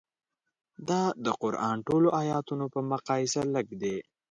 دا د قران ټولو ایتونو په مقایسه لږ دي.